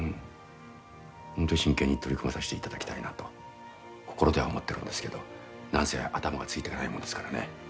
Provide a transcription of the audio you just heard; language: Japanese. ホント真剣に取り組まさしていただきたいなと心では思ってるんですけどなんせ頭がついてかないもんですからね。